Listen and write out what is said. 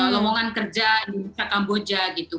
lomongan kerja indonesia kamboja gitu